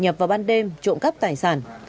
nhập vào ban đêm trộm cắp tài sản